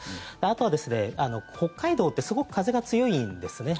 あとは北海道ってすごく風が強いんですね。